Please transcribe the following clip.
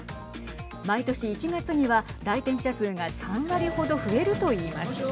毎年１月には来店者数が３割程増えると言います。